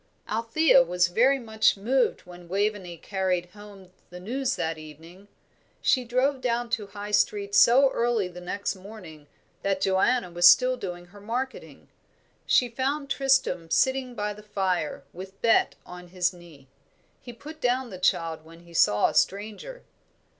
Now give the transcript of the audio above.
Althea was very much moved when Waveney carried home the news that evening. She drove down to High Street so early the next morning that Joanna was still doing her marketing. She found Tristram sitting by the fire, with Bet on his knee. He put down the child when he saw a stranger.